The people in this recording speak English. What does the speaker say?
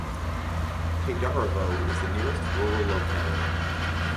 Khaydarovo is the nearest rural locality.